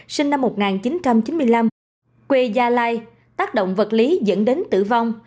sinh năm một nghìn chín trăm chín mươi năm quê gia lai tác động vật lý dẫn đến tử vong